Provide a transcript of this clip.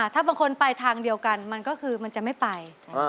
ถ้าบางคนไปทางเดียวกันมันก็คือมันจะไม่ไป